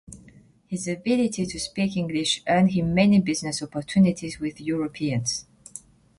His ability to speak English earned him many business opportunities with Europeans.